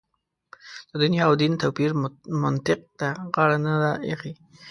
د دنیا او دین توپیر منطق ته غاړه نه ده اېښې.